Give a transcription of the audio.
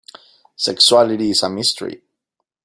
Sexuality is a mystery.